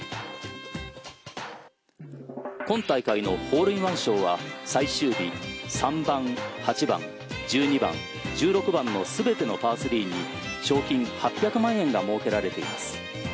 今大会のホールインワン賞は最終日３、８、１２、１６番の全てのパー３に賞金８００万円が設けられています。